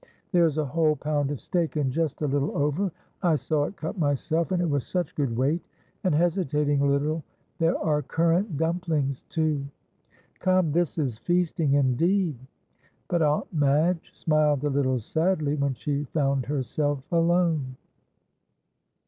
There is a whole pound of steak and just a little over. I saw it cut myself, and it was such good weight." And hesitating a little, "There are currant dumplings too." "Come this is feasting indeed!" But Aunt Madge smiled a little sadly when she found herself alone.